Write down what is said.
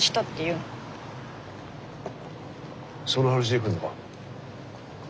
その話で来るのか。